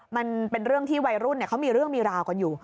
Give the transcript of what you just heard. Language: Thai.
มันเป็นเรื่องที่วัยรุ่นเขามีเรื่องมีราวกันอยู่